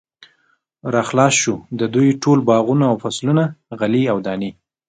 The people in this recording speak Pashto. را خلاص شو، د دوی ټول باغونه او فصلونه، غلې او دانې